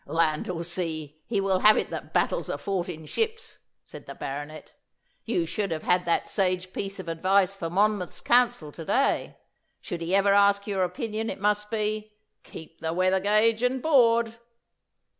'Land or sea, he will have it that battles are fought in ships,' said the Baronet. 'You should have had that sage piece of advice for Monmouth's council to day. Should he ever ask your opinion it must be, "Keep the weather gauge and board!"